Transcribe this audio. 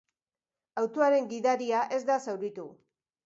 Autoaren gidaria ez da zauritu.